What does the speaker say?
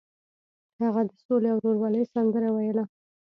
هغه د سولې او ورورولۍ سندره ویله.